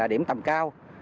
điểm tầm cao